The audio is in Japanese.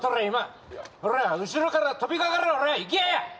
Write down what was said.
今ほら後ろから飛びかかれほらいけ！